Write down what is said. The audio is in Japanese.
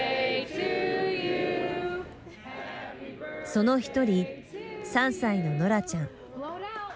その１人３歳のノラちゃん。